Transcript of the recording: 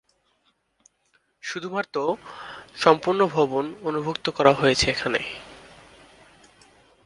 শুধুমাত্র সম্পন্ন ভবন অন্তর্ভুক্ত করা হয়েছে এখানে।